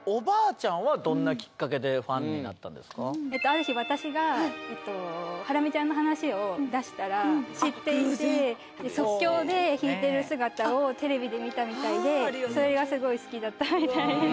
ちなみにそのある日私がハラミちゃんの話を出したら知っていて即興で弾いてる姿をテレビで見たみたいでそれがすごい好きだったみたいです